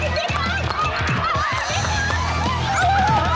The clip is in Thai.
เอามา